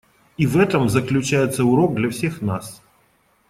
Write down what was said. И в этом заключается урок для всех нас.